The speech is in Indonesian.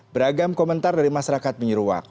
beragam komentar dari masyarakat menyeruak